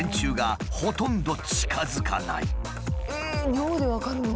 尿で分かるの？